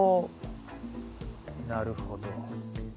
なるほど。